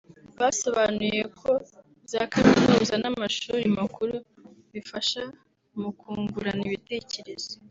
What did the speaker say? Basobanuye ko za Kaminuza n’amashuri makuru bifasha mu kungurana ibitekerezo